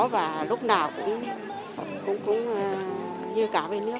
và lúc nào cũng như cáo bên nước